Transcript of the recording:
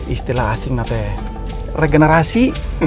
istilah asing namanya regenerasi